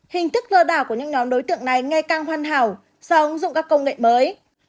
hình thức gờ đảo của những nhóm đối tượng này ngay càng hoàn hảo do ứng dụng các công nghệ mới